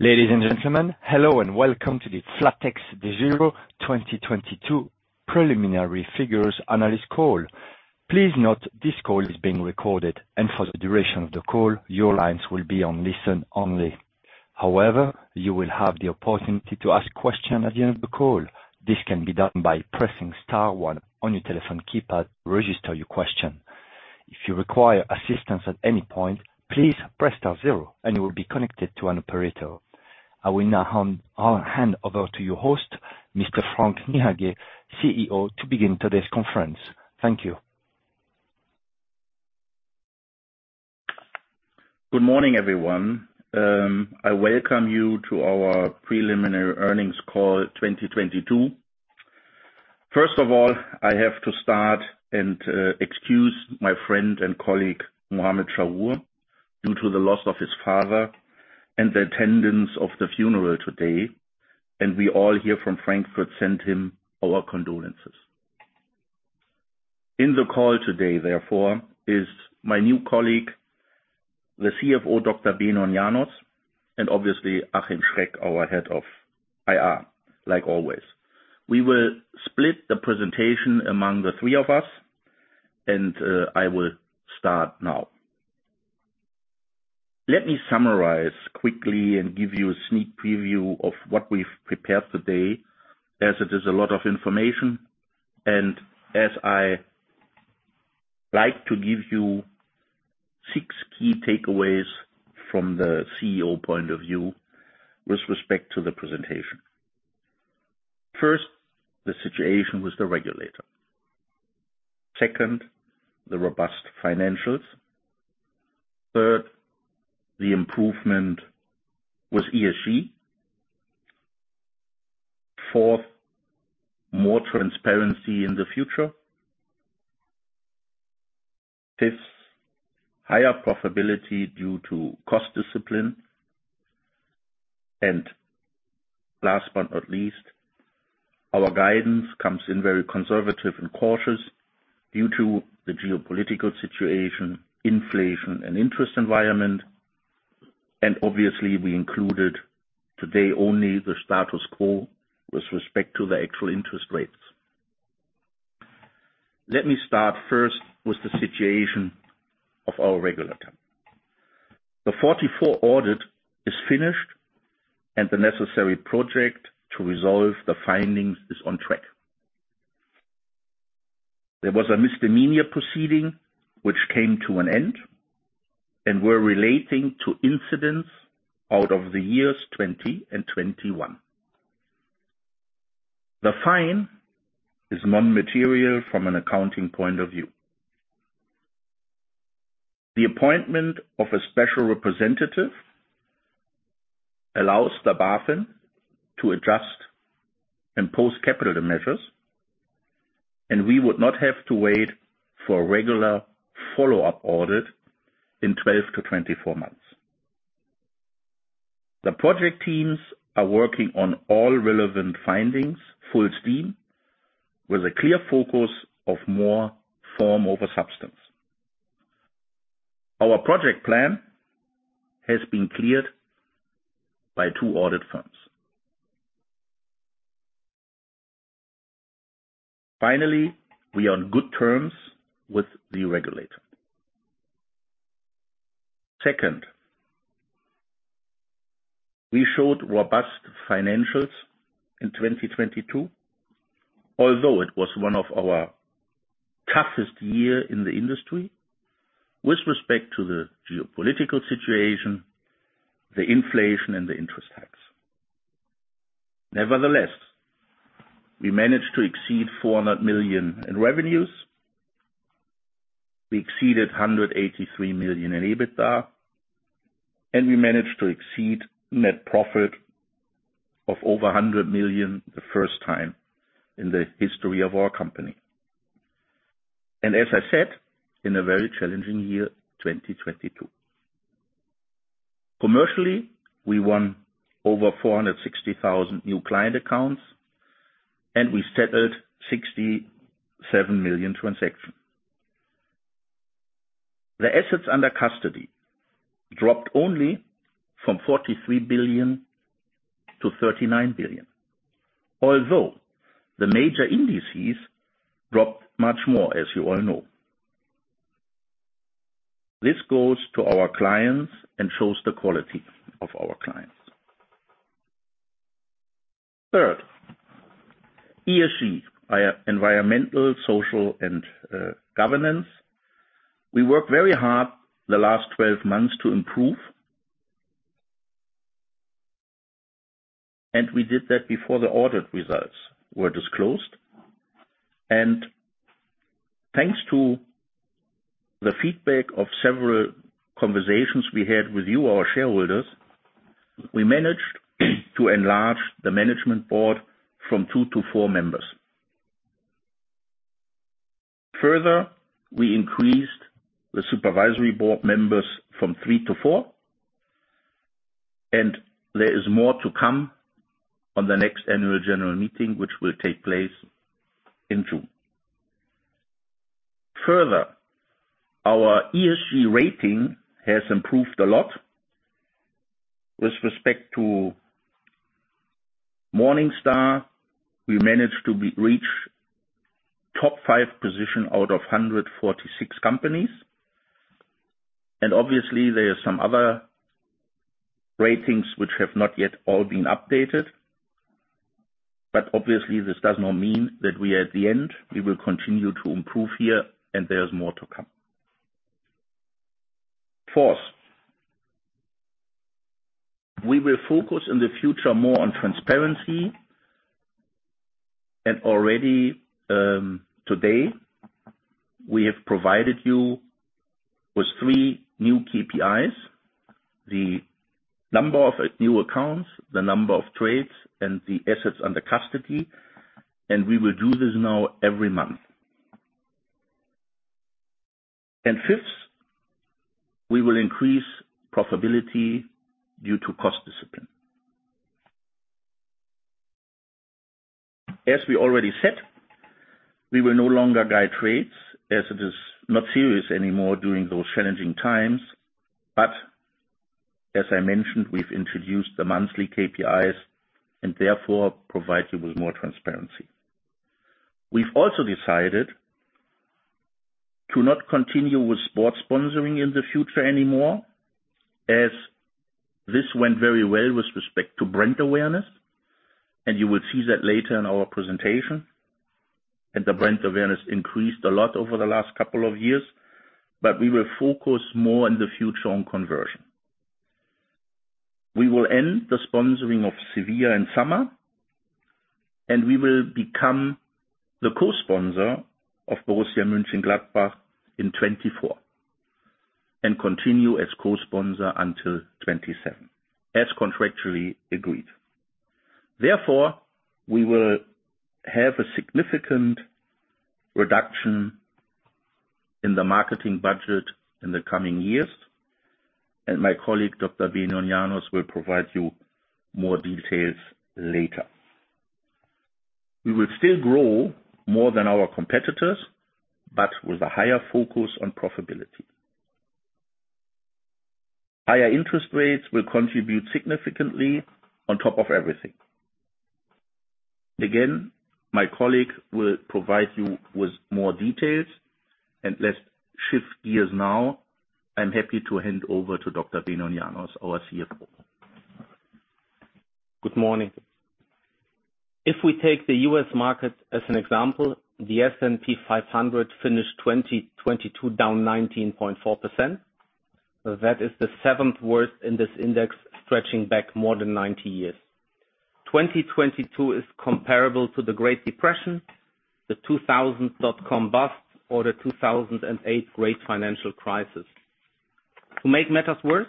Ladies and gentlemen, hello and welcome to the flatexDEGIRO 2022 preliminary figures analyst call. Please note this call is being recorded and for the duration of the call, your lines will be on listen only. However, you will have the opportunity to ask questions at the end of the call. This can be done by pressing star one on your telephone keypad to register your question. If you require assistance at any point, please press star zero and you will be connected to an operator. I will now hand over to your host, Mr. Frank Niehage, CEO, to begin today's conference. Thank you. Good morning, everyone. I welcome you to our preliminary earnings call 2022. First of all, I have to start and excuse my friend and colleague, Muhamad Chahrour, due to the loss of his father and the attendance of the funeral today. We all here from Frankfurt send him our condolences. In the call today, therefore, is my new colleague, the CFO, Dr. Benon Janos, and obviously Achim Schreck, our Head of IR, like always. We will split the presentation among the three of us, and I will start now. Let me summarize quickly and give you a sneak preview of what we've prepared today as it is a lot of information, and as I like to give you 6 key takeaways from the CEO point of view with respect to the presentation. First, the situation with the regulator. Second, the robust financials. Third, the improvement with ESG. Fourth, more transparency in the future. Fifth, higher profitability due to cost discipline. Last but not least, our guidance comes in very conservative and cautious due to the geopolitical situation, inflation, and interest environment. Obviously we included today only the status quo with respect to the actual interest rates. Let me start first with the situation of our regulator. The 44 audit is finished and the necessary project to resolve the findings is on track. There was a misdemeanor proceeding which came to an end and were relating to incidents out of the years 20 and 21. The fine is non-material from an accounting point of view. The appointment of a special representative allows the BaFin to adjust and post capital measures, and we would not have to wait for a regular follow-up audit in 12-24 months. The project teams are working on all relevant findings, full steam, with a clear focus of more form over substance. Our project plan has been cleared by two audit firms. Finally, we are on good terms with the regulator. Second, we showed robust financials in 2022, although it was one of our toughest year in the industry with respect to the geopolitical situation, the inflation, and the interest hikes. Nevertheless, we managed to exceed 400 million in revenues. We exceeded 183 million in EBITDA, and we managed to exceed net profit of over 100 million the first time in the history of our company. As I said, in a very challenging year, 2022. Commercially, we won over 460,000 new client accounts, and we settled 67 million transactions. The assets under custody dropped only from 43 billion to 39 billion, although the major indices dropped much more, as you all know. This goes to our clients and shows the quality of our clients. Third, ESG, environmental, social, and governance. We worked very hard the last 12 months to improve. We did that before the audit results were disclosed. Thanks to the feedback of several conversations we had with you, our shareholders, we managed to enlarge the management board from 2 to 4 members. We increased the supervisory board members from 3 to 4, and there is more to come on the next annual general meeting, which will take place in June. Our ESG rating has improved a lot. With respect to Morningstar, we managed to reach top 5 position out of 146 companies. Obviously there are some other ratings which have not yet all been updated, but obviously this does not mean that we are at the end. We will continue to improve here and there's more to come. Fourth. We will focus in the future more on transparency. Already, today, we have provided you with three new KPIs. The number of new accounts, the number of trades, and the assets under custody. We will do this now every month. Fifth, we will increase profitability due to cost discipline. As we already said, we will no longer guide trades as it is not serious anymore during those challenging times. As I mentioned, we've introduced the monthly KPIs and therefore provide you with more transparency. We've also decided to not continue with sports sponsoring in the future anymore, as this went very well with respect to brand awareness, and you will see that later in our presentation. The brand awareness increased a lot over the last couple of years, but we will focus more in the future on conversion. We will end the sponsoring of Sevilla in summer, and we will become the co-sponsor of Borussia Mönchengladbach in 2024, and continue as co-sponsor until 2027, as contractually agreed. Therefore, we will have a significant reduction in the marketing budget in the coming years. My colleague, Dr. Benon Janos, will provide you more details later. We will still grow more than our competitors, but with a higher focus on profitability. Higher interest rates will contribute significantly on top of everything. Again, my colleague will provide you with more details. Let's shift gears now. I'm happy to hand over to Dr. Benon Janos, our CFO. Good morning. If we take the U.S. market as an example, the S&P 500 finished 2022 down 19.4%. That is the seventh worst in this index stretching back more than 90 years. 2022 is comparable to the Great Depression, the 2000 dot-com bust or the 2008 great financial crisis. To make matters worse,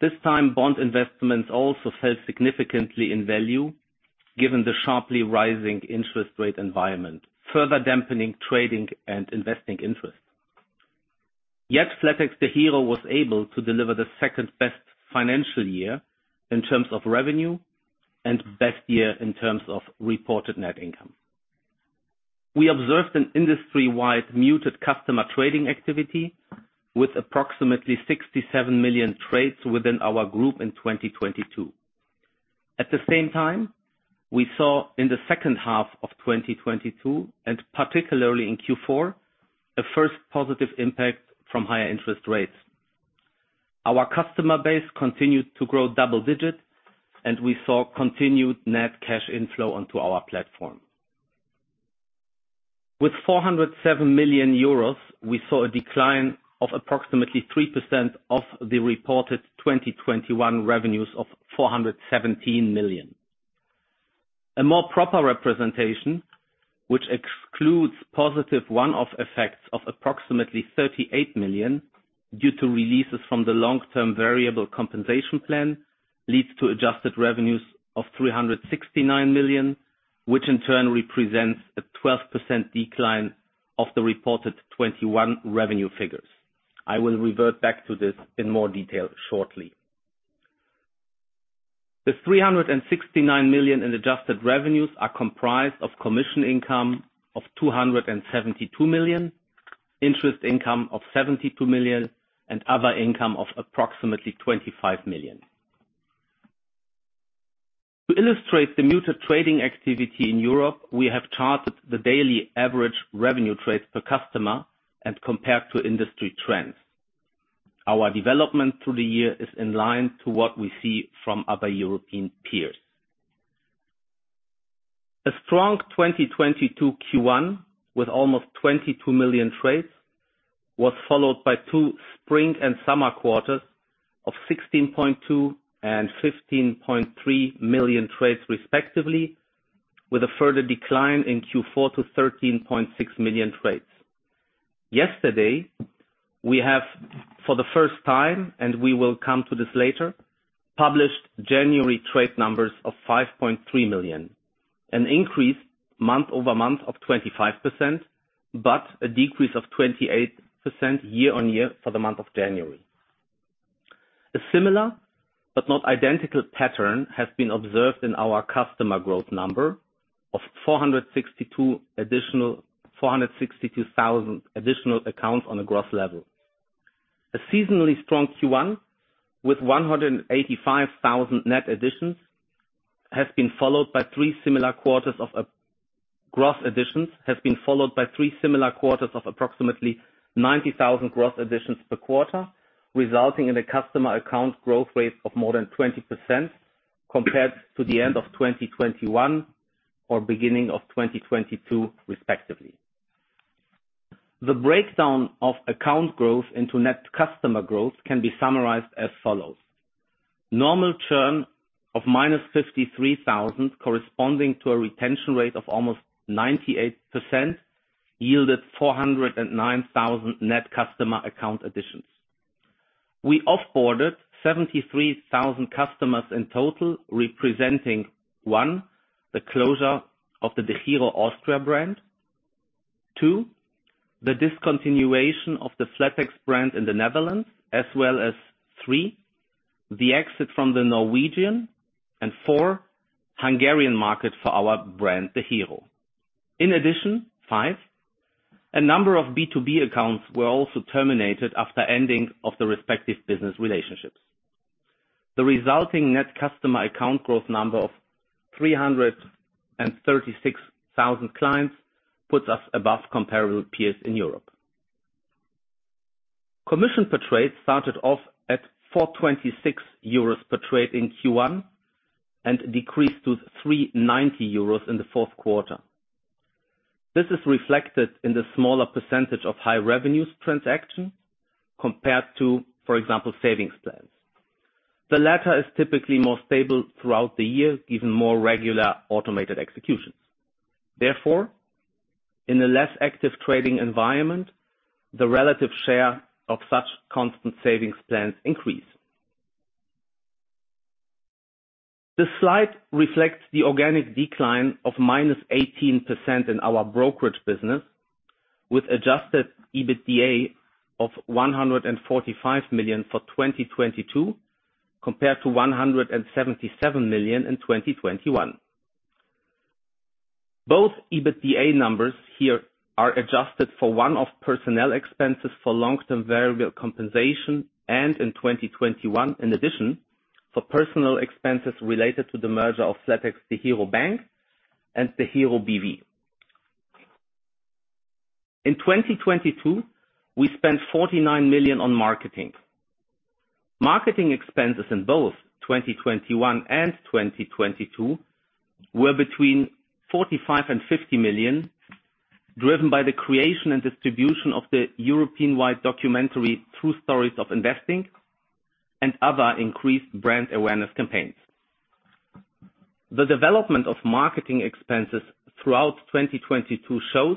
this time bond investments also fell significantly in value given the sharply rising interest rate environment, further dampening trading and investing interest. Yet flatexDEGIRO was able to deliver the second-best financial year in terms of revenue and best year in terms of reported net income. We observed an industry-wide muted customer trading activity with approximately 67 million trades within our group in 2022. At the same time, we saw in the second half of 2022, and particularly in Q4, a first positive impact from higher interest rates. Our customer base continued to grow double digits, and we saw continued net cash inflow onto our platform. With 407 million euros, we saw a decline of approximately 3% of the reported 2021 revenues of 417 million. A more proper representation, which excludes positive one-off effects of approximately 38 million due to releases from the long-term variable compensation plan, leads to adjusted revenues of 369 million, which in turn represents a 12% decline of the reported 2021 revenue figures. I will revert back to this in more detail shortly. The 369 million in adjusted revenues are comprised of commission income of 272 million, interest income of 72 million, and other income of approximately 25 million. To illustrate the muted trading activity in Europe, we have charted the daily average revenue trades per customer and compared to industry trends. Our development through the year is in line to what we see from other European peers. A strong 2022 Q1 with almost 22 million trades was followed by two spring and summer quarters of 16.2 and 15.3 million trades respectively, with a further decline in Q4 to 13.6 million trades. Yesterday, we have for the first time, and we will come to this later, published January trade numbers of 5.3 million. An increase month-over-month of 25%. A decrease of 28% year-on-year for the month of January. A similar but not identical pattern has been observed in our customer growth number of 462,000 additional accounts on a gross level. A seasonally strong Q1 with 185,000 net additions has been followed by three similar quarters of gross additions, has been followed by three similar quarters of approximately 90,000 gross additions per quarter, resulting in a customer account growth rate of more than 20% compared to the end of 2021 or beginning of 2022 respectively. The breakdown of account growth into net customer growth can be summarized as follows: Normal churn of minus 53,000, corresponding to a retention rate of almost 98%, yielded 409,000 net customer account additions. We off-boarded 73,000 customers in total, representing, 1, the closure of the DEGIRO Austria brand. 2, the discontinuation of the flatex brand in the Netherlands, as well as, 3, the exit from the Norwegian. 4, Hungarian market for our brand, DEGIRO. In addition, 5, a number of B2B accounts were also terminated after ending of the respective business relationships. The resulting net customer account growth number of 336,000 clients puts us above comparable peers in Europe. Commission per trade started off at 4.26 euros per trade in Q1, and decreased to 3.90 euros in the fourth quarter. This is reflected in the smaller percentage of high revenues transaction compared to, for example, savings plans. The latter is typically more stable throughout the year, given more regular automated executions. Therefore, in a less active trading environment, the relative share of such constant savings plans increase. The slide reflects the organic decline of -18% in our brokerage business, with adjusted EBITDA of 145 million for 2022, compared to 177 million in 2021. Both EBITDA numbers here are adjusted for one-off personnel expenses for long-term variable compensation, and in 2021 in addition, for personal expenses related to the merger of flatexDEGIRO Bank and DEGIRO B.V. In 2022, we spent 49 million on marketing. Marketing expenses in both 2021 and 2022 were between 45-50 million, driven by the creation and distribution of the European-wide documentary, True Stories of Investing, and other increased brand awareness campaigns. The development of marketing expenses throughout 2022 shows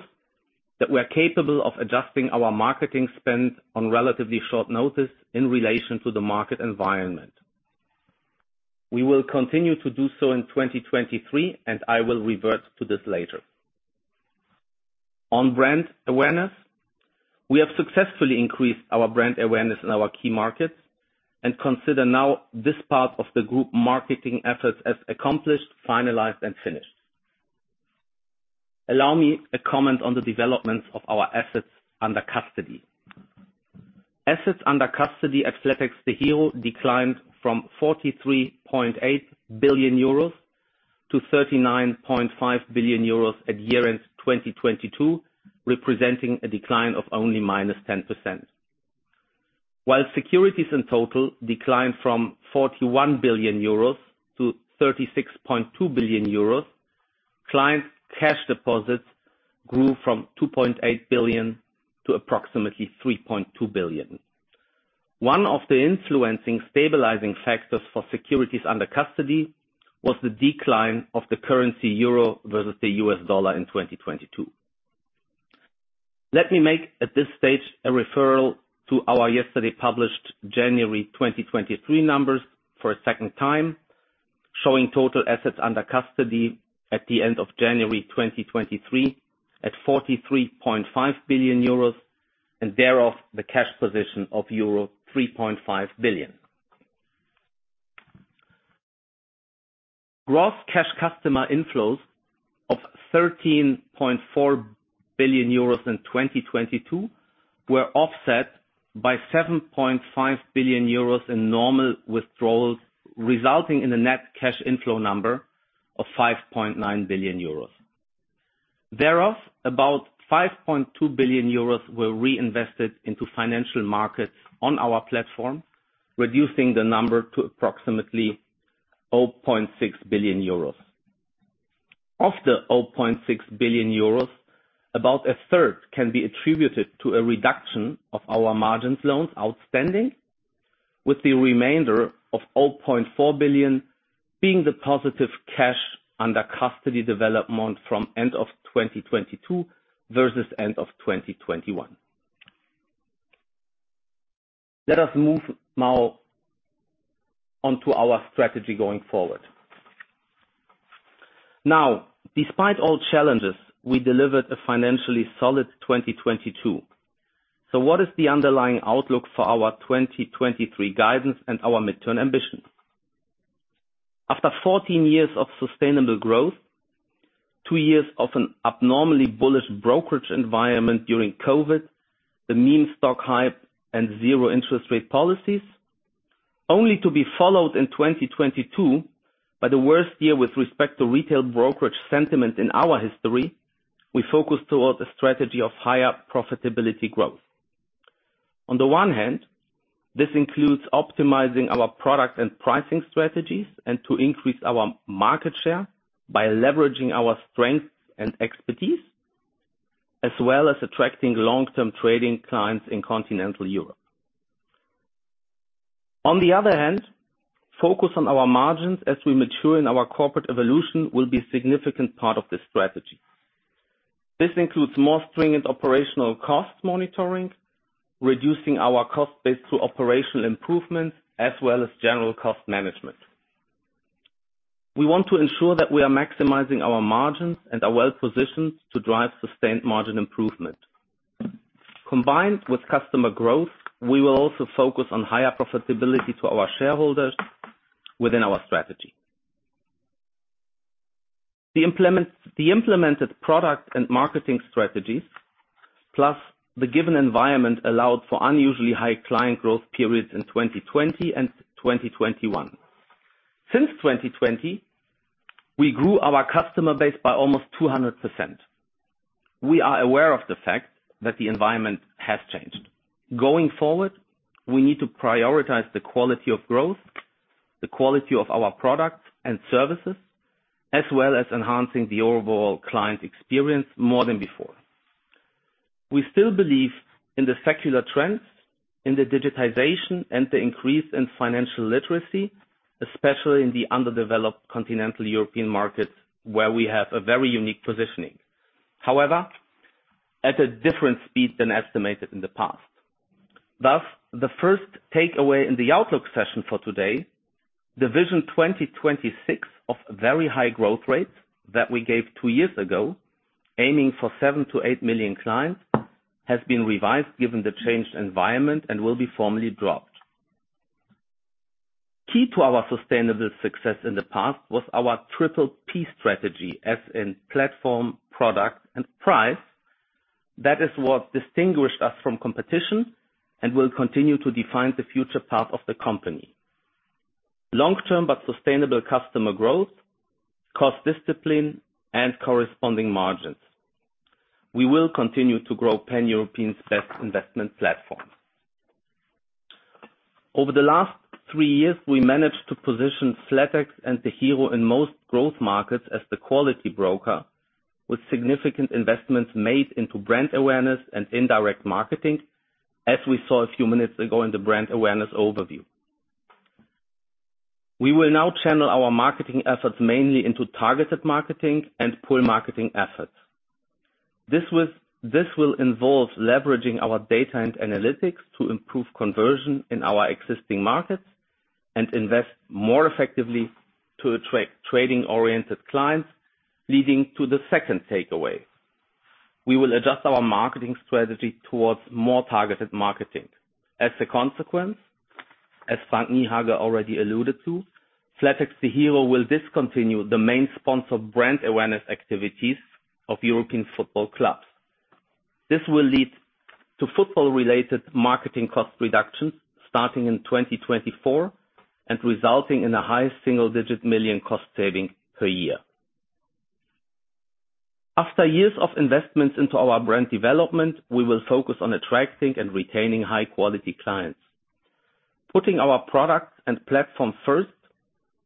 that we are capable of adjusting our marketing spend on relatively short notice in relation to the market environment. We will continue to do so in 2023. I will revert to this later. On brand awareness, we have successfully increased our brand awareness in our key markets, consider now this part of the group marketing efforts as accomplished, finalized, and finished. Allow me a comment on the developments of our assets under custody. Assets under custody at flatexDEGIRO declined from 43.8 billion euros to 39.5 billion euros at year-end 2022, representing a decline of only -10%. While securities in total declined from 41 billion euros to 36.2 billion euros, clients' cash deposits grew from 2.8 billion to approximately 3.2 billion. One of the influencing stabilizing factors for securities under custody was the decline of the currency euro versus the US dollar in 2022. Let me make, at this stage, a referral to our yesterday published January 2023 numbers for a second time, showing total assets under custody at the end of January 2023 at 43.5 billion euros, and thereof, the cash position of euro 3.5 billion. Gross cash customer inflows of 13.4 billion euros in 2022 were offset by 7.5 billion euros in normal withdrawals, resulting in a net cash inflow number of 5.9 billion euros. About 5.2 billion euros were reinvested into financial markets on our platform, reducing the number to approximately 0.6 billion euros. Of the 0.6 billion euros, about a third can be attributed to a reduction of our margin loans outstanding, with the remainder of 0.4 billion being the positive cash under custody development from end of 2022 versus end of 2021. Let us move now onto our strategy going forward. Despite all challenges, we delivered a financially solid 2022. What is the underlying outlook for our 2023 guidance and our midterm ambition? After 14 years of sustainable growth, 2 years of an abnormally bullish brokerage environment during COVID, the meme stock hype and zero interest rate policies, only to be followed in 2022 by the worst year with respect to retail brokerage sentiment in our history, we focus towards a strategy of higher profitability growth. On the one hand, this includes optimizing our products and pricing strategies and to increase our market share by leveraging our strengths and expertise, as well as attracting long-term trading clients in continental Europe. On the other hand, focus on our margins as we mature in our corporate evolution will be a significant part of this strategy. This includes more stringent operational cost monitoring, reducing our cost base through operational improvements, as well as general cost management. We want to ensure that we are maximizing our margins and are well positioned to drive sustained margin improvement. Combined with customer growth, we will also focus on higher profitability to our shareholders within our strategy. The implemented product and marketing strategies, plus the given environment allowed for unusually high client growth periods in 2020 and 2021. Since 2020, we grew our customer base by almost 200%. We are aware of the fact that the environment has changed. Going forward, we need to prioritize the quality of growth, the quality of our products and services, as well as enhancing the overall client experience more than before. We still believe in the secular trends in the digitization and the increase in financial literacy, especially in the underdeveloped continental European markets, where we have a very unique positioning. At a different speed than estimated in the past. The first takeaway in the outlook session for today, the Vision 2026 of very high growth rates that we gave two years ago, aiming for 7 to 8 million clients, has been revised given the changed environment and will be formally dropped. Key to our sustainable success in the past was our Triple P strategy, as in platform, product and price. That is what distinguished us from competition and will continue to define the future path of the company. Long-term, but sustainable customer growth, cost discipline and corresponding margins. We will continue to grow Pan-European best investment platform. Over the last three years, we managed to position flatex and DEGIRO in most growth markets as the quality broker with significant investments made into brand awareness and indirect marketing, as we saw a few minutes ago in the brand awareness overview. We will now channel our marketing efforts mainly into targeted marketing and pull marketing efforts. This will involve leveraging our data and analytics to improve conversion in our existing markets and invest more effectively to attract trading-oriented clients, leading to the second takeaway. We will adjust our marketing strategy towards more targeted marketing. As a consequence, as Frank Niehage already alluded to, flatex/DEGIRO will discontinue the main sponsor brand awareness activities of European football clubs. This will lead to football-related marketing cost reductions starting in 2024 and resulting in the highest single digit million cost saving per year. After years of investments into our brand development, we will focus on attracting and retaining high quality clients. Putting our products and platform first,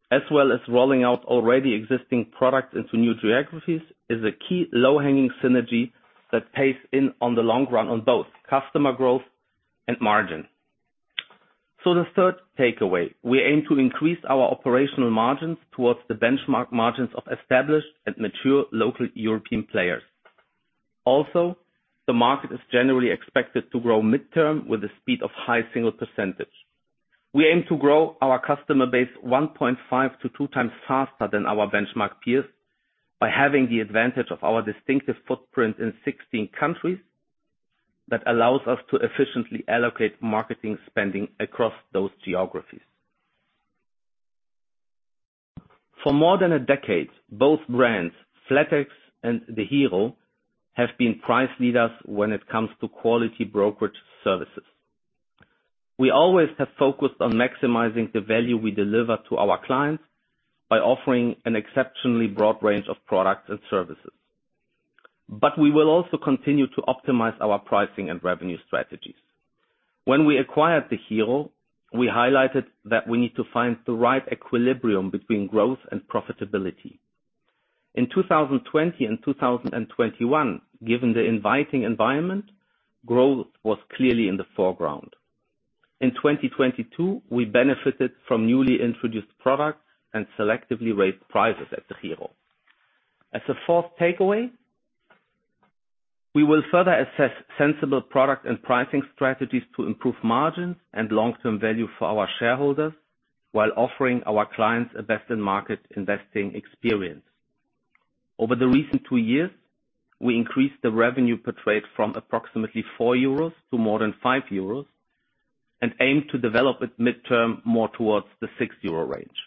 as well as rolling out already existing products into new geographies, is a key low-hanging synergy that pays in on the long run on both customer growth and margin. The third takeaway, we aim to increase our operational margins towards the benchmark margins of established and mature local European players. The market is generally expected to grow midterm with the speed of high single percentage. We aim to grow our customer base 1.5 to 2 times faster than our benchmark peers by having the advantage of our distinctive footprint in 16 countries that allows us to efficiently allocate marketing spending across those geographies. For more than a decade, both brands, flatex and DEGIRO, have been price leaders when it comes to quality brokerage services. We always have focused on maximizing the value we deliver to our clients by offering an exceptionally broad range of products and services. We will also continue to optimize our pricing and revenue strategies. When we acquired DEGIRO, we highlighted that we need to find the right equilibrium between growth and profitability. In 2020 and 2021, given the inviting environment, growth was clearly in the foreground. In 2022, we benefited from newly introduced products and selectively raised prices at DEGIRO. As a fourth takeaway, we will further assess sensible product and pricing strategies to improve margins and long-term value for our shareholders, while offering our clients a best-in-market investing experience. Over the recent two years, we increased the revenue per trade from approximately 4 euros to more than 5 euros, and aim to develop it mid-term more towards the 6 euro range.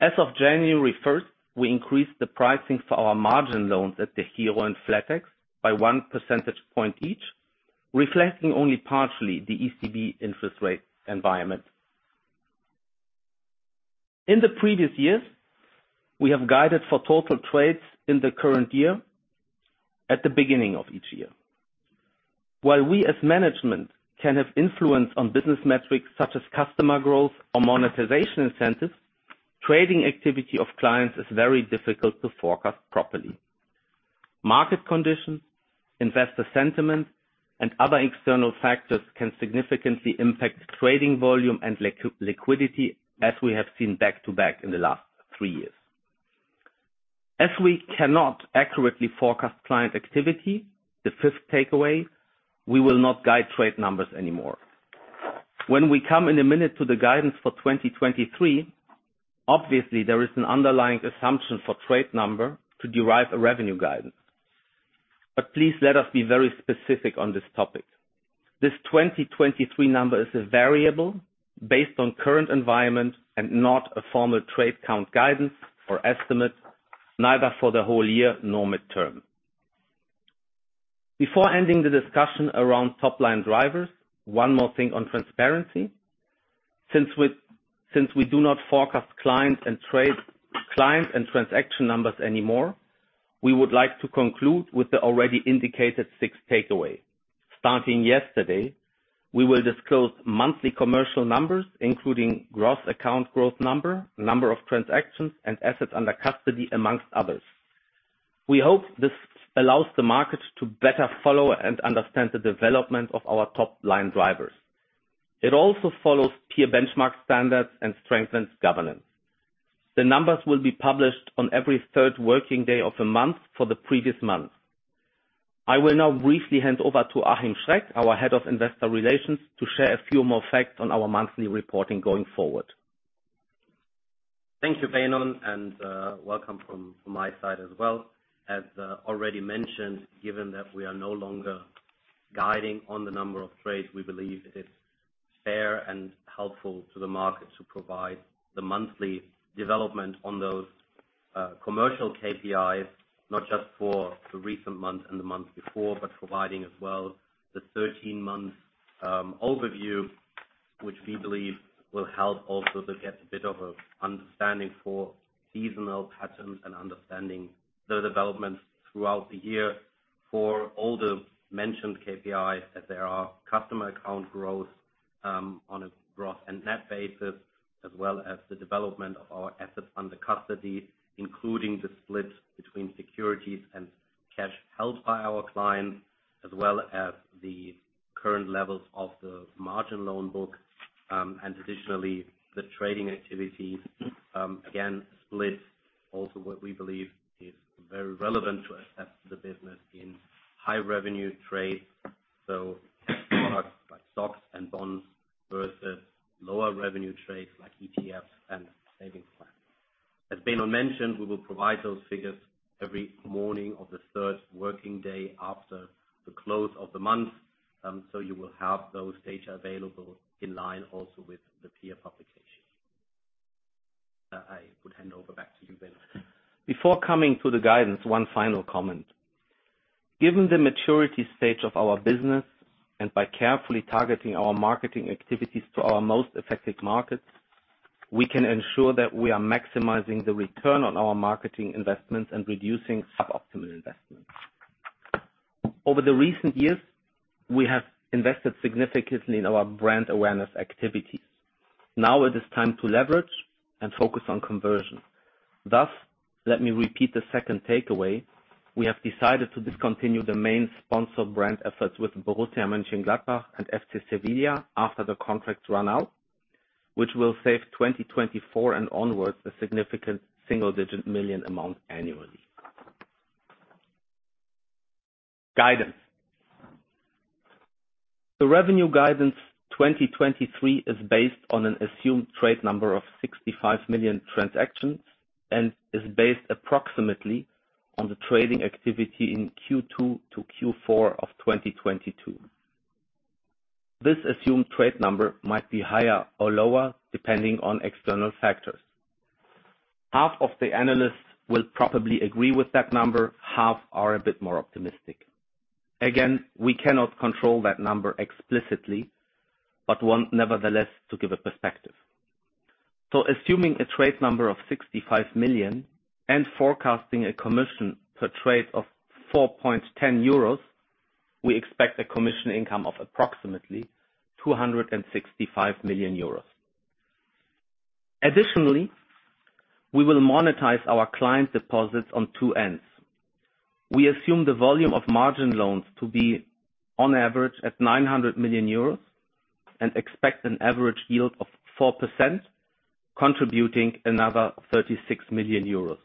As of January 1st, we increased the pricing for our margin loans at DEGIRO and flatex by 1 percentage point each, reflecting only partially the ECB interest rate environment. In the previous years, we have guided for total trades in the current year at the beginning of each year. While we as management can have influence on business metrics such as customer growth or monetization incentives, trading activity of clients is very difficult to forecast properly. Market conditions, investor sentiment, and other external factors can significantly impact trading volume and liquidity, as we have seen back-to-back in the last 3 years. As we cannot accurately forecast client activity, the fifth takeaway, we will not guide trade numbers anymore. When we come in a minute to the guidance for 2023, obviously there is an underlying assumption for trade number to derive a revenue guidance. Please let us be very specific on this topic. This 2023 number is a variable based on current environment and not a formal trade count guidance or estimate, neither for the whole year nor mid-term. Before ending the discussion around top line drivers, 1 more thing on transparency. Since we do not forecast clients and transaction numbers anymore, we would like to conclude with the already indicated sixth takeaway. Starting yesterday, we will disclose monthly commercial numbers, including gross account growth number of transactions, and assets under custody, amongst others. We hope this allows the market to better follow and understand the development of our top-line drivers. It also follows peer benchmark standards and strengthens governance. The numbers will be published on every third working day of the month for the previous month. I will now briefly hand over to Achim Schreck, our Head of Investor Relations, to share a few more facts on our monthly reporting going forward. Thank you, Benon, and welcome from my side as well. As already mentioned, given that we are no longer guiding on the number of trades, we believe it is fair and helpful to the market to provide the monthly development on those commercial KPIs, not just for the recent month and the month before, but providing as well the 13-month overview, which we believe will help also to get a bit of a understanding for seasonal patterns and understanding the developments throughout the year for all the mentioned KPIs, as there are customer account growth on a gross and net basis, as well as the development of our assets under custody, including the split between securities and cash held by our clients, as well as the current levels of the margin loan book. Additionally, the trading activities, again, split also what we believe is very relevant to assess the business in high revenue trades. So products like stocks and bonds versus lower revenue trades like ETFs and savings plans. As Benno mentioned, we will provide those figures every morning of the third working day after the close of the month. You will have those data available in line also with the peer publication. I would hand over back to you, Benon. Before coming to the guidance, one final comment. Given the maturity stage of our business, by carefully targeting our marketing activities to our most affected markets, we can ensure that we are maximizing the return on our marketing investments and reducing suboptimal investments. Over the recent years, we have invested significantly in our brand awareness activities. Now it is time to leverage and focus on conversion. Let me repeat the second takeaway. We have decided to discontinue the main sponsored brand efforts with Borussia Mönchengladbach and FC Sevilla after the contracts run out, which will save 2024 and onwards a significant EUR single-digit million amount annually. Guidance. The revenue guidance 2023 is based on an assumed trade number of 65 million transactions and is based approximately on the trading activity in Q2 to Q4 of 2022. This assumed trade number might be higher or lower, depending on external factors. Half of the analysts will probably agree with that number, half are a bit more optimistic. Again, we cannot control that number explicitly, but want nevertheless to give a perspective. Assuming a trade number of 65 million and forecasting a commission per trade of 4.10 euros, we expect a commission income of approximately 265 million euros. Additionally, we will monetize our client deposits on two ends. We assume the volume of margin loans to be on average at 900 million euros. We expect an average yield of 4%, contributing another 36 million euros.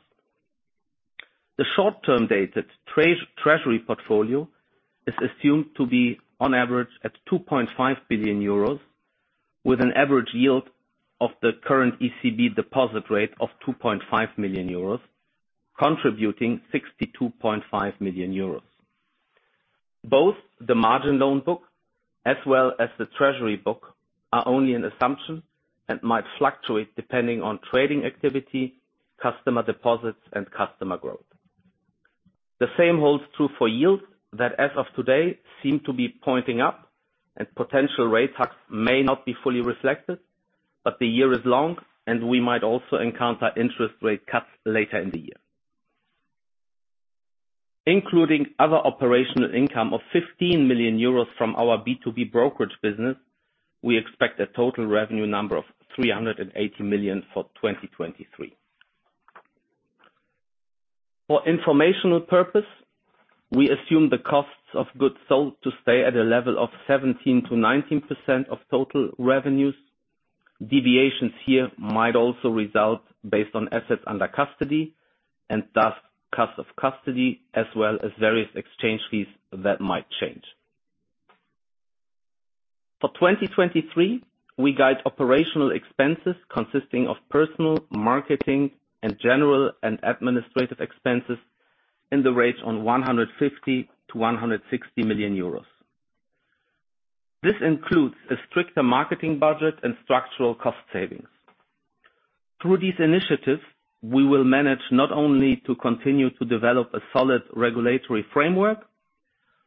The short term dated treasury portfolio is assumed to be on average at 2.5 billion euros, with an average yield of the current ECB deposit rate of 2.5 million euros, contributing 62.5 million euros. Both the margin loan book, as well as the treasury book, are only an assumption and might fluctuate depending on trading activity, customer deposits and customer growth. The same holds true for yields, that as of today, seem to be pointing up, and potential rate cuts may not be fully reflected. The year is long, and we might also encounter interest rate cuts later in the year. Including other operational income of 15 million euros from our B2B brokerage business, we expect a total revenue number of 380 million for 2023. For informational purpose, we assume the costs of goods sold to stay at a level of 17%-19% of total revenues. Deviations here might also result based on assets under custody and thus cost of custody, as well as various exchange fees that might change. For 2023, we guide operational expenses consisting of personnel, marketing and general and administrative expenses in the range of 150 million-160 million euros. This includes a stricter marketing budget and structural cost savings. Through these initiatives, we will manage not only to continue to develop a solid regulatory framework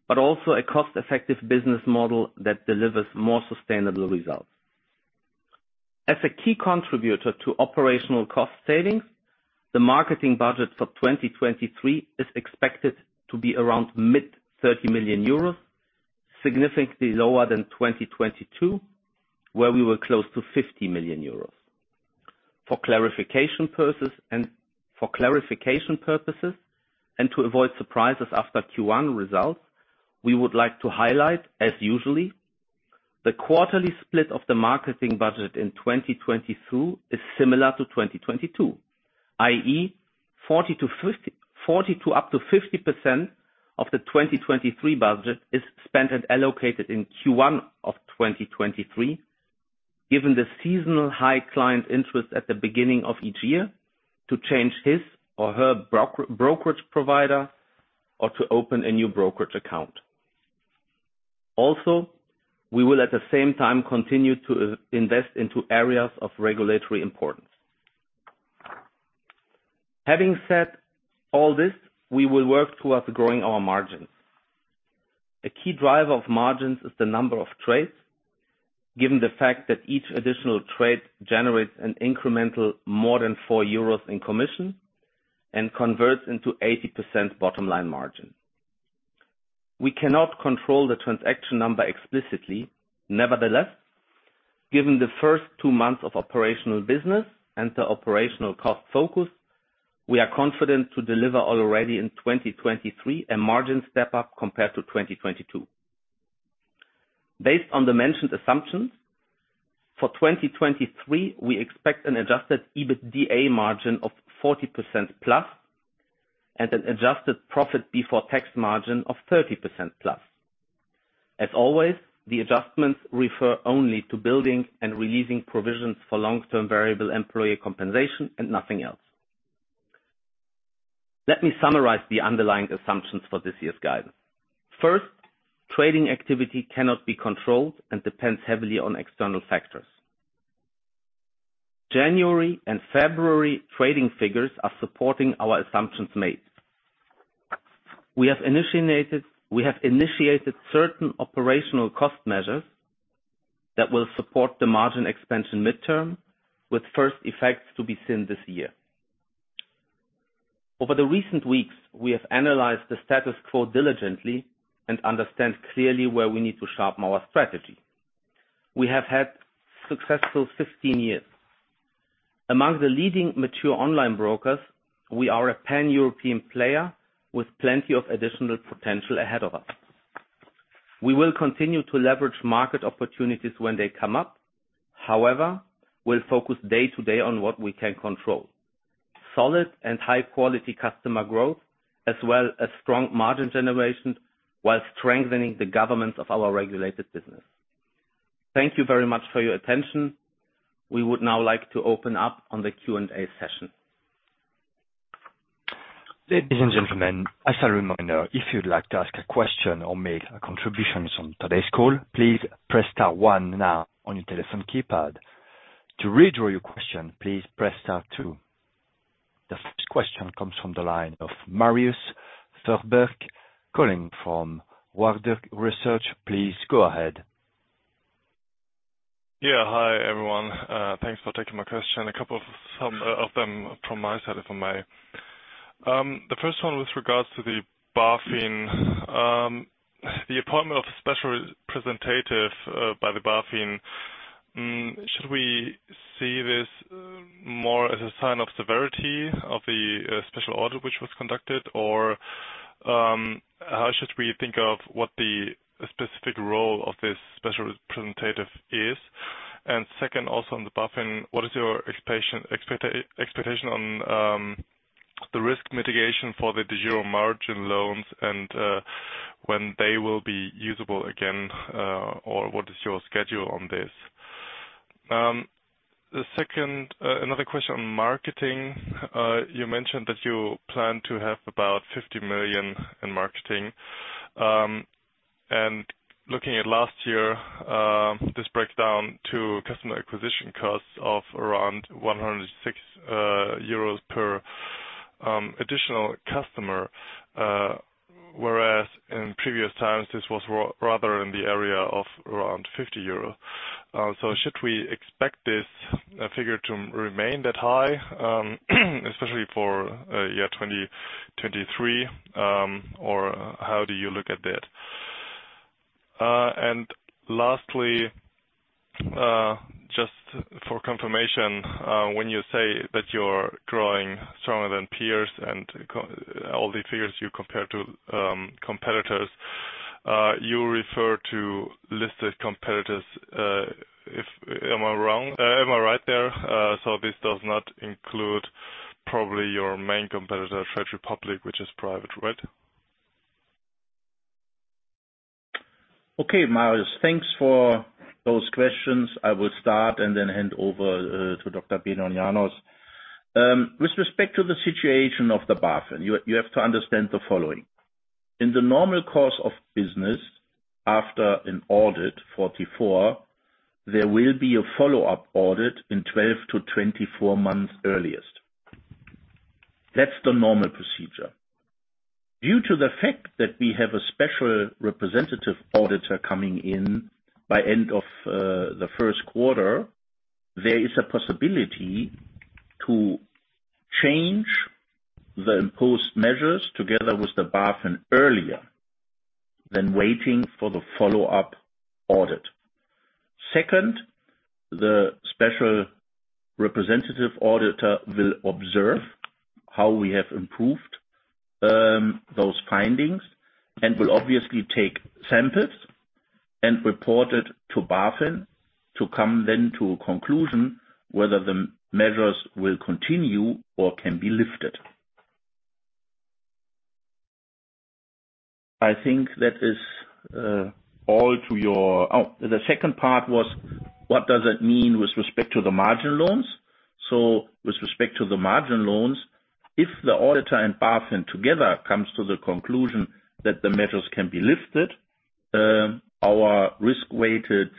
but also a cost-effective business model that delivers more sustainable results. As a key contributor to operational cost savings, the marketing budget for 2023 is expected to be around mid 30 million euros, significantly lower than 2022, where we were close to 50 million euros. For clarification purposes and to avoid surprises after Q1 results, we would like to highlight, as usually, the quarterly split of the marketing budget in 2022 is similar to 2022, i.e., 40% to up to 50% of the 2023 budget is spent and allocated in Q1 of 2023. Given the seasonal high client interest at the beginning of each year to change his or her brokerage provider or to open a new brokerage account. We will, at the same time, continue to invest into areas of regulatory importance. Having said all this, we will work towards growing our margins. A key driver of margins is the number of trades, given the fact that each additional trade generates an incremental more than 4 euros in commission and converts into 80% bottom line margin. We cannot control the transaction number explicitly. Nevertheless, given the first two months of operational business and the operational cost focus, we are confident to deliver already in 2023 a margin step up compared to 2022. Based on the mentioned assumptions, for 2023, we expect an adjusted EBITDA margin of 40% plus and an adjusted profit before tax margin of 30% plus. As always, the adjustments refer only to building and releasing provisions for long-term variable employee compensation and nothing else. Let me summarize the underlying assumptions for this year's guidance. First, trading activity cannot be controlled and depends heavily on external factors. January and February trading figures are supporting our assumptions made. We have initiated certain operational cost measures that will support the margin expansion midterm, with first effects to be seen this year. Over the recent weeks, we have analyzed the status quo diligently and understand clearly where we need to sharpen our strategy. We have had successful 15 years. Among the leading mature online brokers, we are a Pan-European player with plenty of additional potential ahead of us. We will continue to leverage market opportunities when they come up. However, we'll focus day-to-day on what we can control. Solid and high quality customer growth, as well as strong margin generation, while strengthening the governance of our regulated business. Thank you very much for your attention. We would now like to open up on the Q&A session. Ladies and gentlemen, as a reminder, if you'd like to ask a question or make a contribution on today's call, please press star one now on your telephone keypad. To withdraw your question, please press star two. The first question comes from the line of Marius Fuhrberg, calling from Warburg Research. Please go ahead. Yeah. Hi, everyone. Thanks for taking my question. A couple of some of them from my side. The first one with regards to the BaFin. The appointment of special representative by the BaFin, should we see this more as a sign of severity of the special audit which was conducted? How should we think of what the specific role of this special representative is? Second, also on the BaFin, what is your expectation on the risk mitigation for the DEGIRO margin loans and when they will be usable again, or what is your schedule on this? The second, another question on marketing. You mentioned that you plan to have about 50 million in marketing. Looking at last year, this breaks down to customer acquisition costs of around 106 euros per additional customer. Whereas in previous times this was rather in the area of around 50 euro. Should we expect this figure to remain that high, especially for 2023, or how do you look at that? Lastly, just for confirmation, when you say that you're growing stronger than peers and all the figures you compare to competitors, you refer to listed competitors. Am I wrong? Am I right there? This does not include probably your main competitor, Trade Republic, which is private, right? Okay, Marius. Thanks for those questions. I will start and then hand over to Dr. Benon Janos. With respect to the situation of the BaFin, you have to understand the following. In the normal course of business, after an audit 44, there will be a follow-up audit in 12 to 24 months earliest. That's the normal procedure. Due to the fact that we have a special representative auditor coming in by end of the first quarter, there is a possibility to change the imposed measures together with the BaFin earlier than waiting for the follow-up audit. Second, the special representative auditor will observe how we have improved those findings and will obviously take samples and report it to BaFin to come then to a conclusion whether the measures will continue or can be lifted. I think that is all to your... The second part was what does it mean with respect to the margin loans. With respect to the margin loans, if the auditor and BaFin together comes to the conclusion that the measures can be lifted, our risk-weighted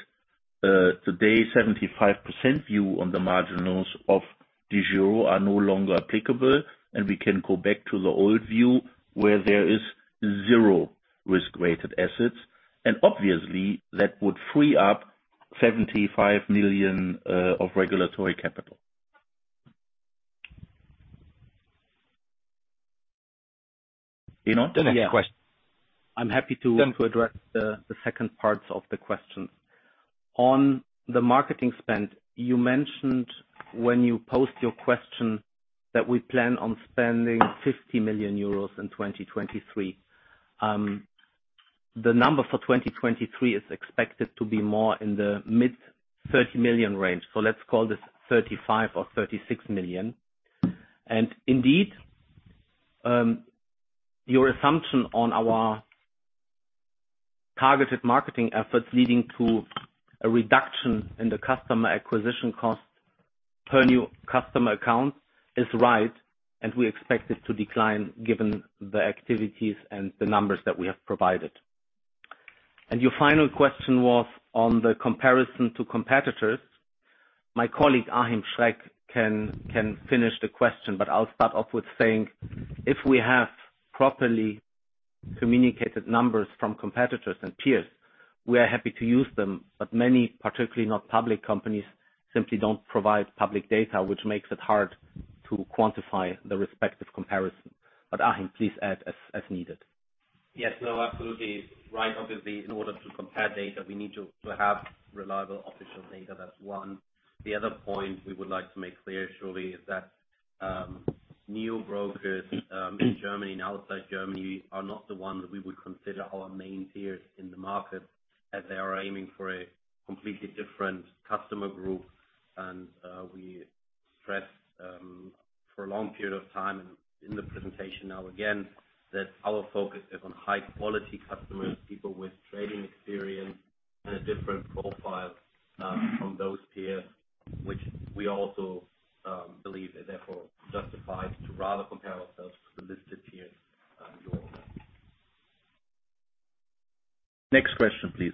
75% view on the margin loans of DEGIRO are no longer applicable, and we can go back to the old view, where there is 0 risk-weighted assets. Obviously, that would free up 75 million of regulatory capital. Benon. I'm happy to address the second parts of the questions. On the marketing spend, you mentioned when you posed your question that we plan on spending 50 million euros in 2023. The number for 2023 is expected to be more in the mid 30 million range. So let's call this 35 million or 36 million. Indeed, your assumption on our targeted marketing efforts leading to a reduction in the customer acquisition cost per new customer account is right, and we expect it to decline given the activities and the numbers that we have provided. Your final question was on the comparison to competitors. My colleague, Achim Schreck, can finish the question, but I'll start off with saying, if we have properly communicated numbers from competitors and peers, we are happy to use them. Many, particularly not public companies, simply don't provide public data, which makes it hard to quantify the respective comparison. Achim, please add as needed. Yes. No, absolutely. Right. Obviously, in order to compare data, we need to have reliable official data. That's one. The other point we would like to make clear, surely, is that new brokers in Germany and outside Germany are not the ones we would consider our main peers in the market, as they are aiming for a completely different customer group. We stressed for a long period of time, and in the presentation now again, that our focus is on high-quality customers, people with trading experience and a different profile from those peers, which we also believe is therefore justified to rather compare ourselves to the listed peers. Sure. Next question, please.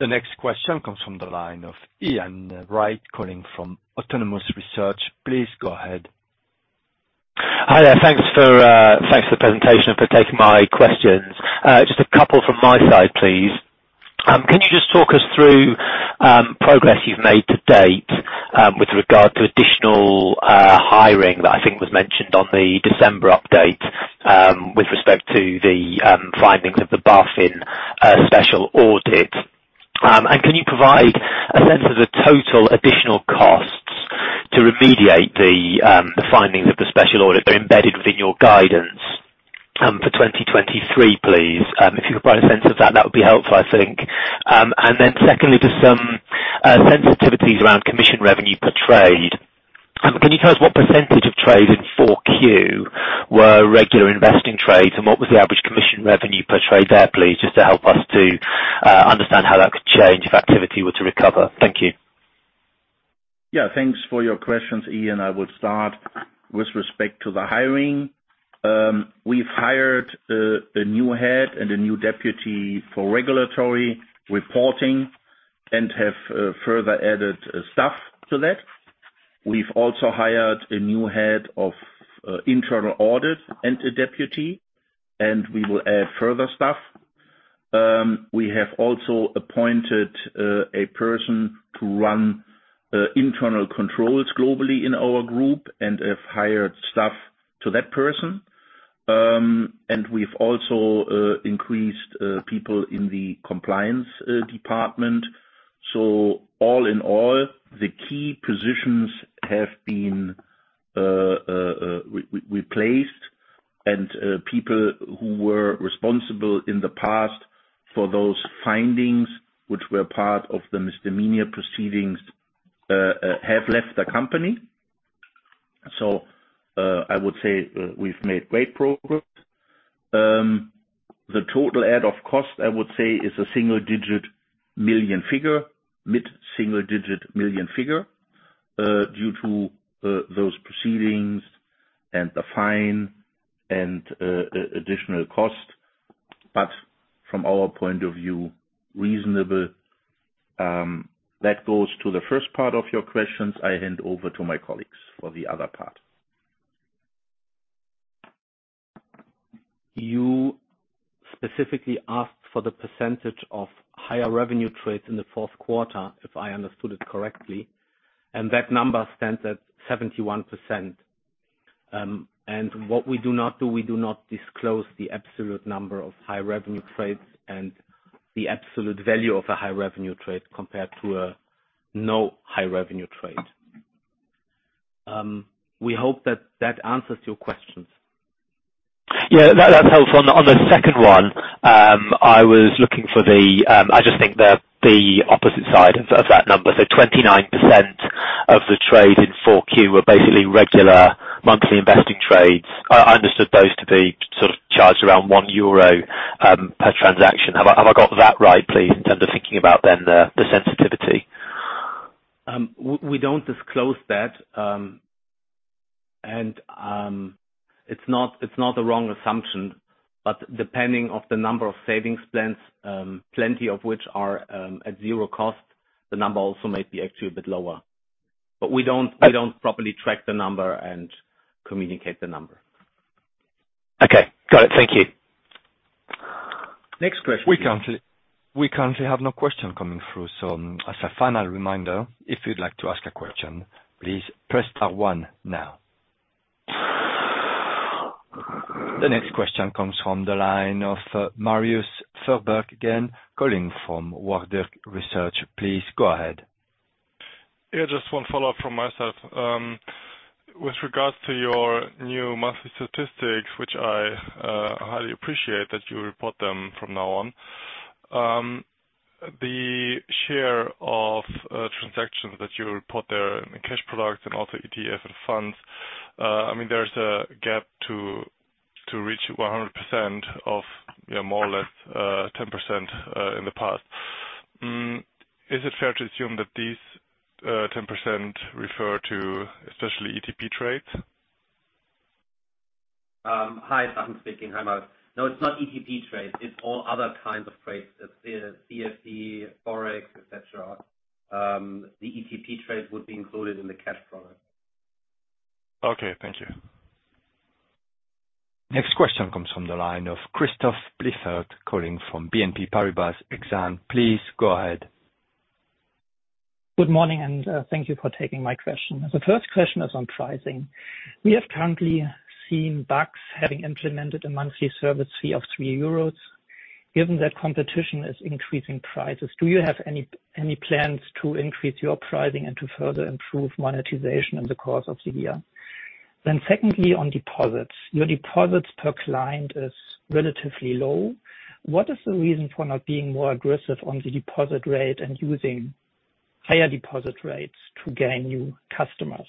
The next question comes from the line of Ian White calling from Autonomous Research. Please go ahead. Hi there. Thanks for the presentation, and for taking my questions. Just a couple from my side, please. Talk us through progress you've made to date with regard to additional hiring that I think was mentioned on the December update with respect to the findings of the special audit. Can you provide a sense of the total additional costs to remediate the findings of the special audit they're embedded within your guidance for 2023, please? If you could provide a sense of that would be helpful, I think. Then secondly, just some sensitivities around commission revenue per trade. Can you tell us what percentage of trade in 4Q were regular investing trades? What was the average commission revenue per trade there, please? Just to help us to understand how that could change if activity were to recover. Thank you. Yeah. Thanks for your questions, Ian. I will start. With respect to the hiring, we've hired a new head and a new deputy for regulatory reporting and have further added staff to that. We've also hired a new head of internal audit and a deputy. We will add further staff. We have also appointed a person to run internal controls globally in our group and have hired staff to that person. We've also increased people in the compliance department. All in all, the key positions have been replaced. People who were responsible in the past for those findings, which were part of the misdemeanor proceedings, have left the company. I would say we've made great progress. The total add of cost, I would say, is a single-digit million figure, mid-single-digit million figure, due to those proceedings and the fine and additional cost. From our point of view, reasonable, that goes to the first part of your questions. I hand over to my colleagues for the other part. You specifically asked for the percentage of higher revenue trades in the fourth quarter, if I understood it correctly, and that number stands at 71%. What we do not do, we do not disclose the absolute number of high revenue trades and the absolute value of a high revenue trade compared to a no high revenue trade. We hope that answers your questions. Yeah, that helps. On the second one, I was looking for the... I just think the opposite side of that number. 29% of the trade in 4Q were basically regular monthly investing trades. I understood those to be sort of charged around 1 euro per transaction. Have I got that right, please? In terms of thinking about then the sensitivity. We don't disclose that. It's not the wrong assumption, depending of the number of savings plans, plenty of which are, at zero cost, the number also might be actually a bit lower. We don't properly track the number and communicate the number. Okay. Got it. Thank you. Next question. We currently have no question coming through. As a final reminder, if you'd like to ask a question, please press star 1 now. The next question comes from the line of Marius Fuhrberg again, calling from Warburg Research. Please go ahead. Just one follow-up from my side. With regards to your new monthly statistics, which I highly appreciate that you report them from now on. The share of transactions that you report there in cash products and also ETF and funds, I mean, there's a gap to reach 100% of, you know, more or less, 10% in the past. Is it fair to assume that these 10% refer to especially ETP trades? Hi, Benon Janos speaking. Hi, Marius. No, it's not ETP trades. It's all other kinds of trades. CFD, Forex, et cetera. The ETP trades would be included in the cash product. Okay, thank you. Next question comes from the line of Christoph Blieffert, calling from BNP Paribas Exane. Please go ahead. Good morning, thank you for taking my question. The first question is on pricing. We have currently seen Baader Bank having implemented a monthly service fee of 3 euros. Given that competition is increasing prices, do you have any plans to increase your pricing and to further improve monetization in the course of the year? Secondly, on deposits. Your deposits per client is relatively low. What is the reason for not being more aggressive on the deposit rate and using higher deposit rates to gain new customers?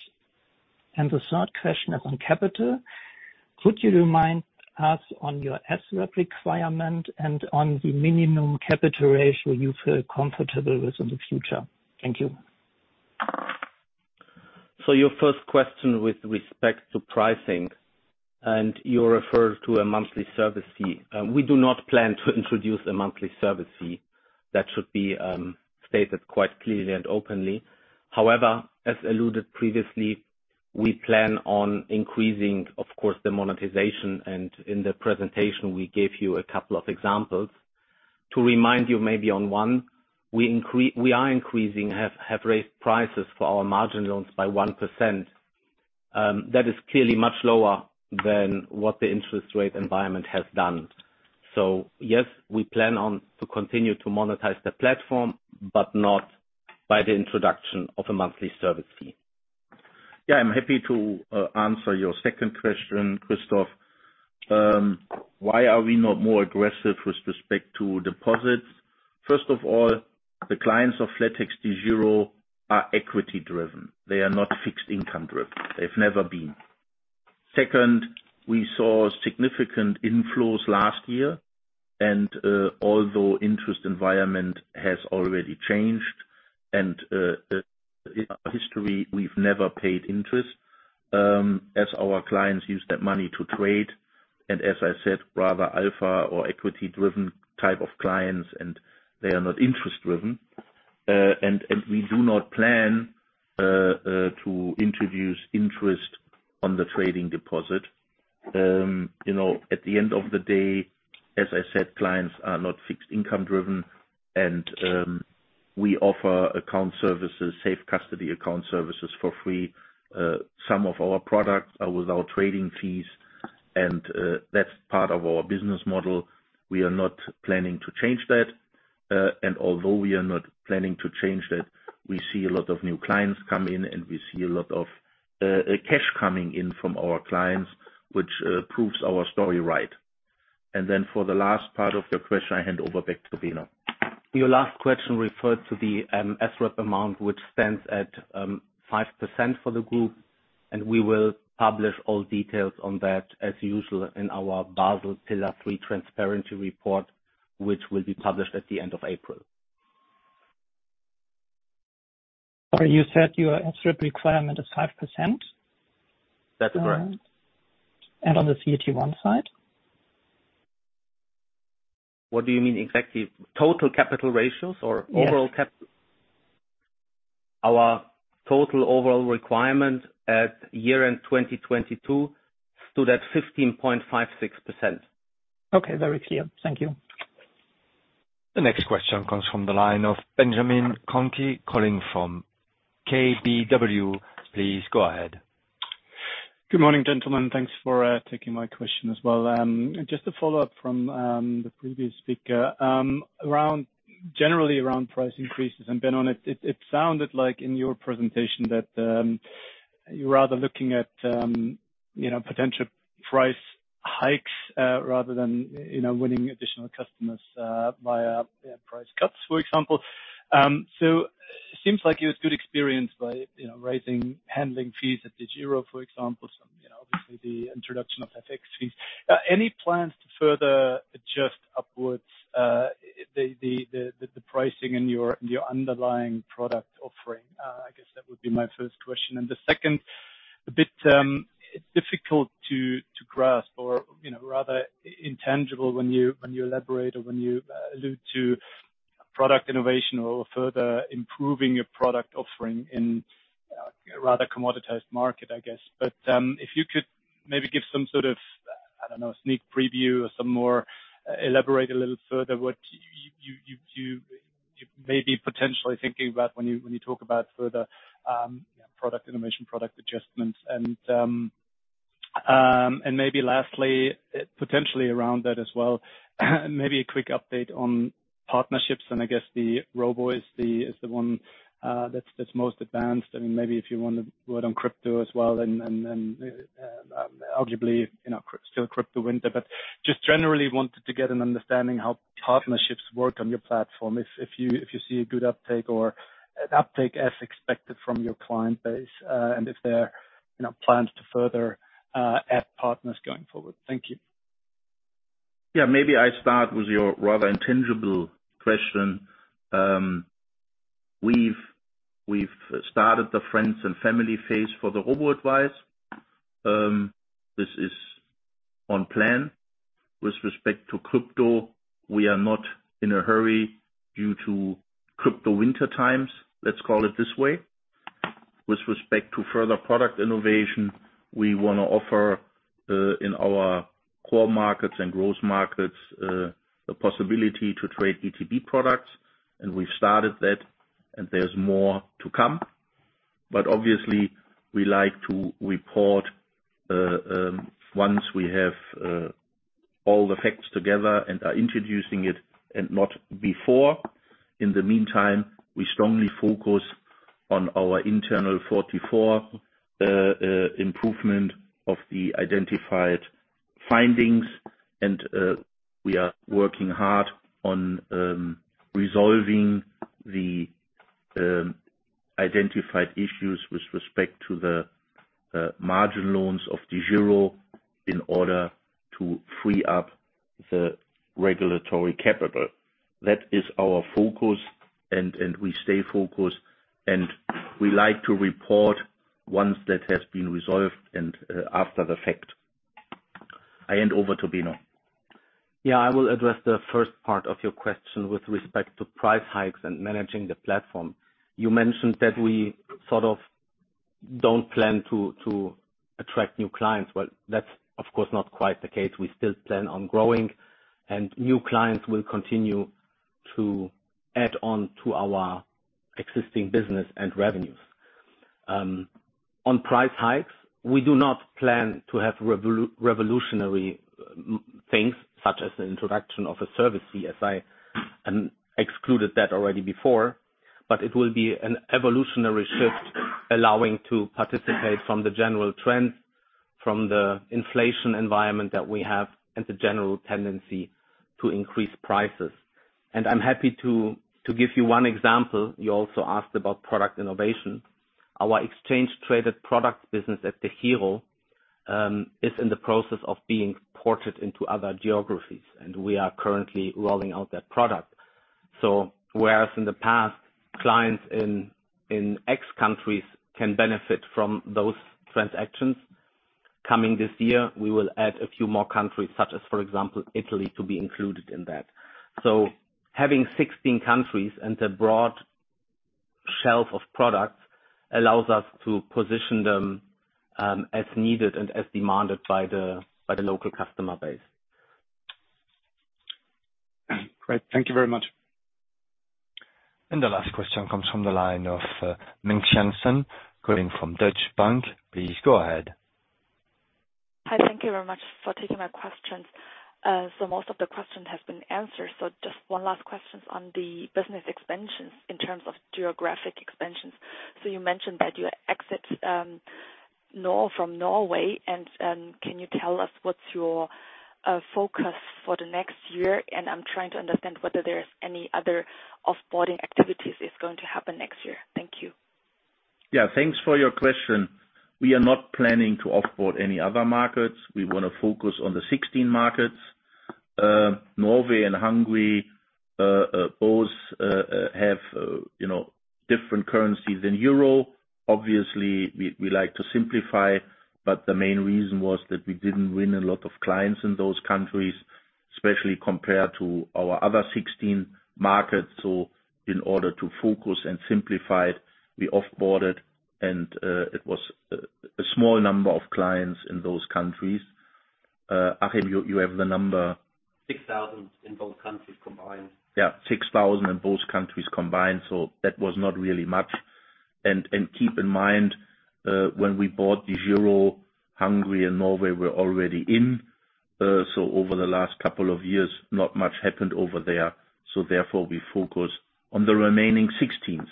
The third question is on capital. Could you remind us on your SREP requirement and on the minimum capital ratio you feel comfortable with in the future? Thank you. Your first question with respect to pricing, and you refer to a monthly service fee. We do not plan to introduce a monthly service fee. That should be stated quite clearly and openly. However, as alluded previously. We plan on increasing, of course, the monetization. In the presentation, we gave you a couple of examples. To remind you maybe on one, we are increasing, have raised prices for our margin loans by 1%. That is clearly much lower than what the interest rate environment has done. Yes, we plan on to continue to monetize the platform, but not by the introduction of a monthly service fee. Yeah, I'm happy to answer your second question, Christoph. Why are we not more aggressive with respect to deposits? First of all, the clients of flatexDEGIRO are equity-driven. They are not fixed income-driven. They've never been. Second, we saw significant inflows last year. Although interest environment has already changed and in our history, we've never paid interest, as our clients use that money to trade, and as I said, rather alpha or equity-driven type of clients, and they are not interest-driven. We do not plan to introduce interest on the trading deposit. You know, at the end of the day, as I said, clients are not fixed income-driven, and we offer account services, safe custody account services for free. Some of our products are without trading fees. That's part of our business model. We are not planning to change that. Although we are not planning to change that, we see a lot of new clients come in. We see a lot of cash coming in from our clients, which proves our story right. For the last part of your question, I hand over back to Benno. Your last question referred to the SREP amount, which stands at 5% for the group, and we will publish all details on that, as usual, in our Basel Pillar 3 transparency report, which will be published at the end of April. Sorry, you said your SREP requirement is 5%? That is correct. On the CET1 side? What do you mean exactly? Total capital ratios. Yes. Overall cap? Our total overall requirement at year-end 2022 stood at 15.56%. Okay. Very clear. Thank you. The next question comes from the line of Benjamin Goy, calling from KBW. Please go ahead. Good morning, gentlemen. Thanks for taking my question as well. Just a follow-up from the previous speaker. Generally around price increases. Benno, it sounded like in your presentation that you're rather looking at, you know, potential price hikes rather than, you know, winning additional customers via price cuts, for example. It seems like it was good experience by, you know, raising handling fees at DEGIRO, for example. You know, obviously the introduction of FX fees. Any plans to further adjust upwards the pricing in your underlying product offering? I guess that would be my first question. The second, a bit, it's difficult to grasp or, you know, rather intangible when you elaborate or when you allude to product innovation or further improving your product offering in a rather commoditized market, I guess. If you could maybe give some sort of, I don't know, sneak preview or some more, elaborate a little further what you may be potentially thinking about when you talk about further product innovation, product adjustments. Maybe lastly, potentially around that as well, maybe a quick update on partnerships, and I guess the robo is the one that's most advanced. I mean, maybe if you wanna word on crypto as well and, arguably, you know, still crypto winter, but just generally wanted to get an understanding how partnerships work on your platform. If you see a good uptake or an uptake as expected from your client base, and if there are, you know, plans to further add partners going forward. Thank you. Yeah. Maybe I start with your rather intangible question. We've started the friends and family phase for the robo-advice. This is on plan. With respect to crypto, we are not in a hurry due to crypto winter times, let's call it this way. With respect to further product innovation, we wanna offer in our core markets and growth markets the possibility to trade ETP products. We've started that, and there's more to come. Obviously, we like to report once we have all the facts together and are introducing it and not before. In the meantime, we strongly focus on our internal 44 improvement of the identified findings. We are working hard on resolving the identified issues with respect to the margin loans of DEGIRO in order to free up the regulatory capital. That is our focus, and we stay focused, and we like to report once that has been resolved and after the fact. I hand over to Benno. Yeah, I will address the first part of your question with respect to price hikes and managing the platform. You mentioned that we sort of don't plan to attract new clients. Well, that's of course not quite the case. We still plan on growing, and new clients will continue to add on to our existing business and revenues. On price hikes, we do not plan to have revolutionary things such as the introduction of a service fee, as I excluded that already before. It will be an evolutionary shift allowing to participate from the general trends from the inflation environment that we have and the general tendency to increase prices. I'm happy to give you one example. You also asked about product innovation. Our exchange-traded products business at DEGIRO, is in the process of being ported into other geographies, and we are currently rolling out that product. Whereas in the past, clients in ex-countries can benefit from those transactions. Coming this year, we will add a few more countries such as, for example, Italy, to be included in that. Having 16 countries and a broad shelf of products allows us to position them, as needed and as demanded by the local customer base. Great. Thank you very much. The last question comes from the line of Mengxian Shen calling from Deutsche Bank. Please go ahead. Hi. Thank you very much for taking my questions. Most of the questions have been answered, so just one last questions on the business expansions in terms of geographic expansions. You mentioned that you exit from Norway and can you tell us what's your focus for the next year? I'm trying to understand whether there's any other off-boarding activities is going to happen next year. Thank you. Thanks for your question. We are not planning to off-board any other markets. We want to focus on the 16 markets. Norway and Hungary, both have, you know, different currencies than euro. Obviously, we like to simplify, but the main reason was that we didn't win a lot of clients in those countries, especially compared to our other 16 markets. In order to focus and simplify, we off-boarded and it was a small number of clients in those countries. Achim, you have the number. 6,000 in both countries combined. Yeah, 6,000 in both countries combined, so that was not really much. Keep in mind, when we bought DEGIRO, Hungary and Norway were already in. Over the last couple of years, not much happened over there. Therefore, we focus on the remaining 16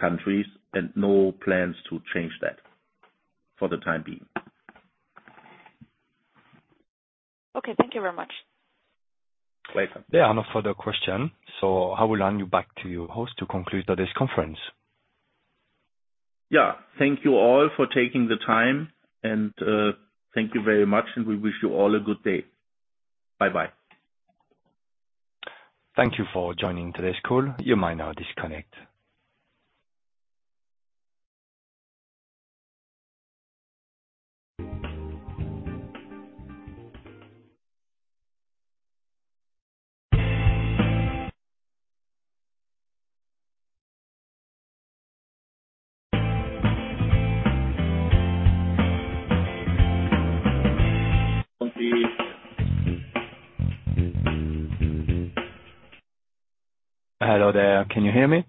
countries and no plans to change that for the time being. Okay. Thank you very much. Welcome. There are no further questions, I will hand you back to your host to conclude today's conference. Yeah. Thank you all for taking the time and, thank you very much, and we wish you all a good day. Bye-bye. Thank you for joining today's call. You may now disconnect. Hello there. Can you hear me?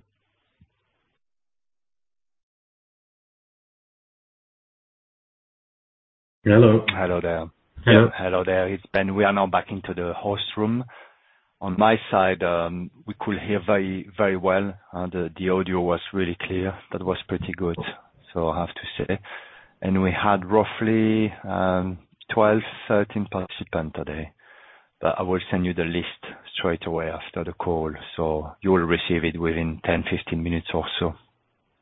Hello. Hello there. Hello. Hello there. It's Ben. We are now back into the host room. On my side, we could hear very, very well. The audio was really clear. That was pretty good, I have to say. We had roughly 12, 13 participant today. I will send you the list straight away after the call, you will receive it within 10, 15 minutes or so.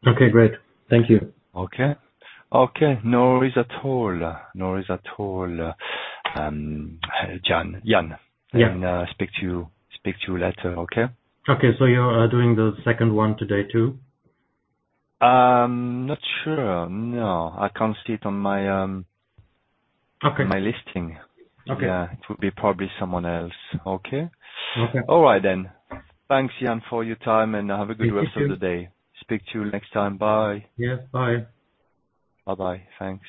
Okay, great. Thank you. Okay. Okay, no worries at all. No worries at all. Yan. Yeah. Speak to you later, okay? Okay. You're doing the second one today too? Not sure. No, I can't see it on my. Okay. My listing. Okay. It will be probably someone else. Okay? Okay. All right. Thanks Yan for your time, and have a good rest of the day. Thank you too. Speak to you next time. Bye. Yes. Bye. Bye-bye. Thanks.